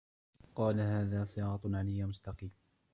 قَالَ هَذَا صِرَاطٌ عَلَيَّ مُسْتَقِيمٌ